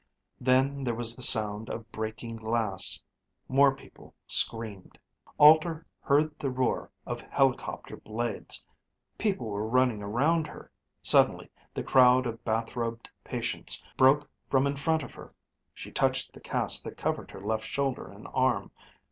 Then there was the sound of breaking glass. More people screamed. Alter heard the roar of helicopter blades. People were running around her. Suddenly the crowd of bathrobed patients broke from in front of her. She touched the cast that covered her left shoulder and arm.